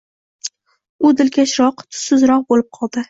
U dilkashroq, tussizroq bo’lib qoldi.